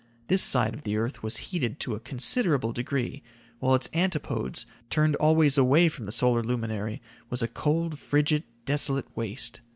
This side of the earth was heated to a considerable degree, while its antipodes, turned always away from the solar luminary, was a cold, frigid, desolate waste.